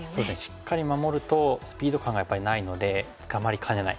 しっかり守るとスピード感がやっぱりないので捕まりかねない。